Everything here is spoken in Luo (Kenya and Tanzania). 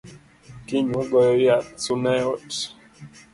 Kiny wagoyo yadh suna e ot